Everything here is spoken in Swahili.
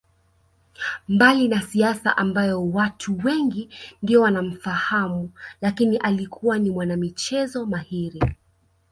Mbali na siasa ambayo watu wengi ndiyo wanamfahamu lakini alikuwa ni mwanamichezo mahiri